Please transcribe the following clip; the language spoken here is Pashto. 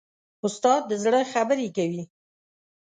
استاد د زړه خبرې کوي.